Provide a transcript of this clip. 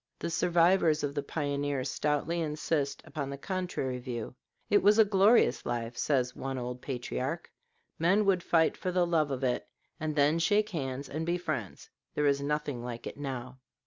The survivors of the pioneers stoutly insist upon the contrary view. "It was a glorious life," says one old patriarch; "men would fight for the love of it, and then shake hands and be friends; there is nothing like it now."